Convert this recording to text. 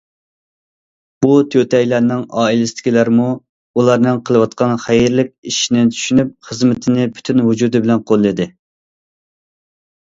بۇ تۆتەيلەننىڭ ئائىلىسىدىكىلەرمۇ ئۇلارنىڭ قىلىۋاتقان خەيرلىك ئىشىنى چۈشىنىپ، خىزمىتىنى پۈتۈن ۋۇجۇدى بىلەن قوللىدى.